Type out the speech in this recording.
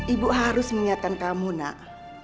ibu harus mengingatkan kamu nak